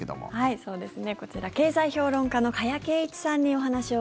そうですね。